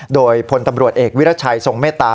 โดยพลตำรวจเอกวิรัชัยทรงเมตตา